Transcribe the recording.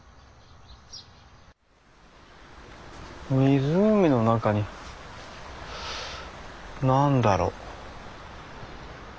湖の中に何だろう。